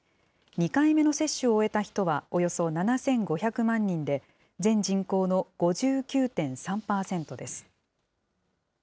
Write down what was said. ２回目の接種を終えた人はおよそ７５００万人で、全人口の５９．３％です。